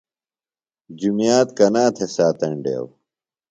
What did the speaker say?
جُمیات کنا تھےۡ ساتینڈیو؟